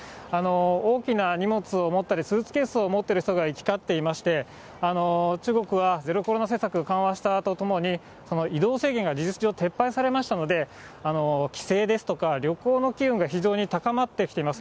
大きな荷物を持ったり、スーツケースを持っている人が行き交っていまして、中国はゼロコロナ政策緩和したとともに、移動制限が事実上撤廃されましたので、帰省ですとか、旅行の機運が非常に高まってきています。